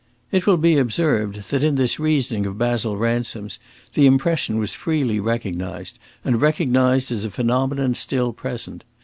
It will be observed that in this reasoning of Basil Ransom's the impression was freely recognised, and recognised as a phenomenon still present.